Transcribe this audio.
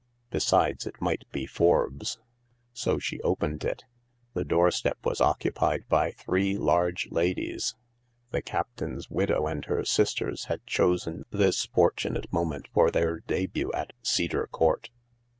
Besides, it might be Forbes. So she opened it. The doorstep was occupied by three large ladies. The captain's widow and her sisters had chosen this fortunate moment for their d£but at Cedar Court.